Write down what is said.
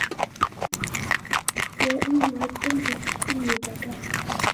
يا أيها الدمع الوفي بدار